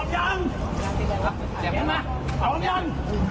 หยอมยัง